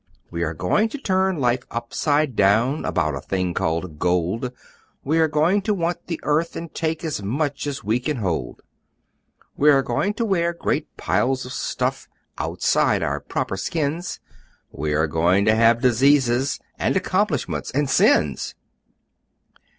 We are going to turn life upside down About a thing called gold! We are going to want the earth, and take As much as we can hold! We are going to wear great piles of stuff Outside our proper skins! We are going to have Diseases! And Accomplishments!! And Sins!!!"